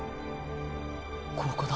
ここだ。